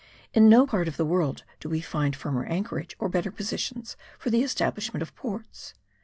In no part of the world do we find firmer anchorage or better positions for the establishment of ports.